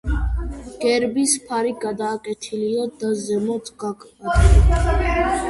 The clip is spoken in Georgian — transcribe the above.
გერბის ფარი გადაკვეთილია და ზემოთ გაკვეთილი.